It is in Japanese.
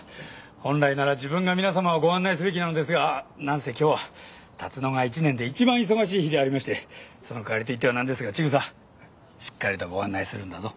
本来なら自分が皆さまをご案内すべきなのですが何せ今日は龍野が一年で一番忙しい日でありましてその代わりと言ってはなんですが千草しっかりとご案内するんだぞ。